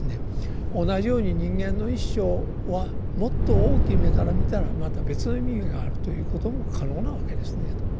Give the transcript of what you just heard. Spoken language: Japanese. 同じように人間の一生はもっと大きい目から見たらまた別の意味があるということも可能なわけですね。